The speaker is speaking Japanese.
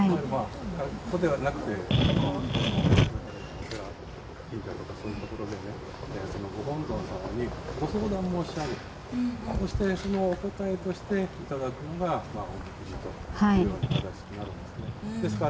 ここではなくて神社とかそういうところでご本尊様にご相談申し上げてそしてそのお答えとしていただくのがおみくじという形になるんですね。